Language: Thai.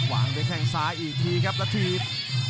วางด้วยแข้งซ้ายอีกทีครับแล้วถีบ